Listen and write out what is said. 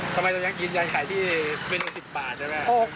ทำไมจะยังกินยังขายที่เวลา๑๐บาทได้ไหม